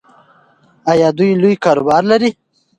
ایا دوی لوی کاروبار لري؟